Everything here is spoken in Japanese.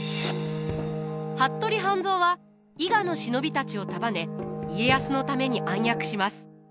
服部半蔵は伊賀の忍びたちを束ね家康のために暗躍します。